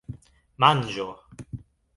manĝo